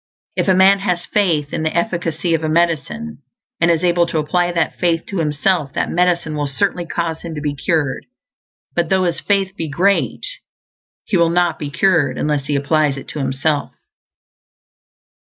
If a man has faith in the efficacy of a medicine, and is able to apply that faith to himself, that medicine will certainly cause him to be cured; but though his faith be great, he will not be cured unless he applies it to himself.